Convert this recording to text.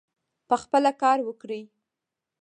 پخپله کار وکړي.